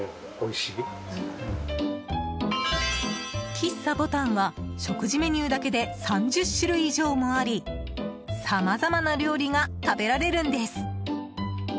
喫茶ボタンは食事メニューだけで３０種類以上もありさまざまな料理が食べられるんです。